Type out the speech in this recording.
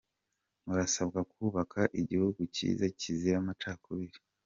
Murasabwa kubaka igihugu cyiza kizira amacakubiri.